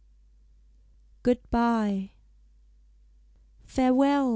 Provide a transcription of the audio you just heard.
GOOD BYE. "Farewell!